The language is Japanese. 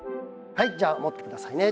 はいじゃあ持ってくださいね。